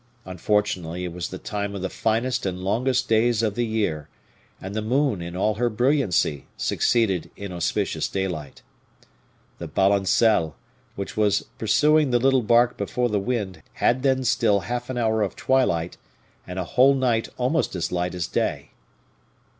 Unfortunately, it was the time of the finest and longest days of the year, and the moon, in all her brilliancy, succeeded inauspicious daylight. The balancelle, which was pursuing the little bark before the wind, had then still half an hour of twilight, and a whole night almost as light as day.